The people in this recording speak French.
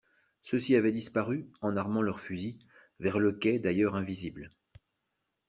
Ceux-ci avaient disparu, en armant leurs fusils, vers le quai d'ailleurs invisible.